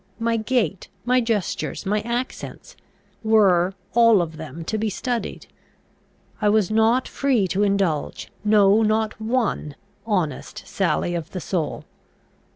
My gait, my gestures, my accents, were all of them to be studied. I was not free to indulge, no not one, honest sally of the soul.